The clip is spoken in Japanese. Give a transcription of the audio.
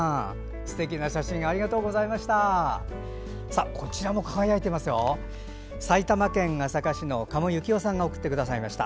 すてきな写真をありがとうございました。